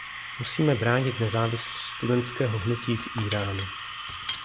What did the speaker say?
Musíme bránit nezávislost studentského hnutí v Íránu.